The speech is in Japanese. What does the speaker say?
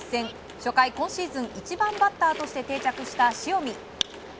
初回、今シーズン１番バッターとして定着した塩見。